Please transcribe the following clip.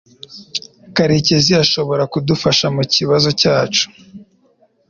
Karekezi ashobora kudufasha mukibazo cyacu.